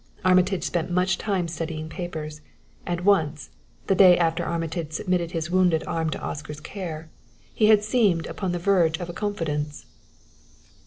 Armitage spent much time studying papers; and once, the day after Armitage submitted his wounded arm to Oscar's care, he had seemed upon the verge of a confidence.